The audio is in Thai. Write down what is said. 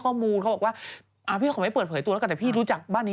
ก็มีการเคลื่อนไหวขนิดหน่อย